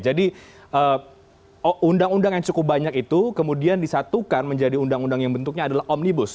jadi undang undang yang cukup banyak itu kemudian disatukan menjadi undang undang yang bentuknya adalah omnibus